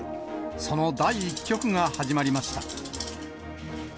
その第１局が始まりました。